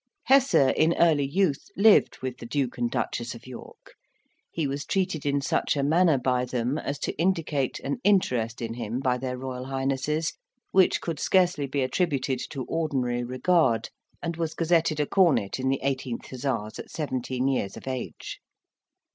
Hesse, in early youth, lived with the Duke and Duchess of York; he was treated in such a manner by them as to indicate an interest in him by their Royal Highnesses which could scarcely be attributed to ordinary regard, and was gazetted a cornet in the 18th Hussars at seventeen years of age.